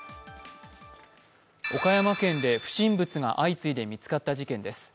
岡山県で不審物が相次いで見つかった事件です。